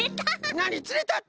なにつれたって？